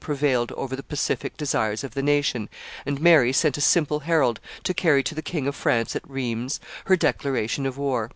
prevailed over the pacific desires of the nation; and Mary sent a simple herald to carry to the King of France at Rheims her declaration of war.